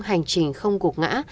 hành trình không cục ngã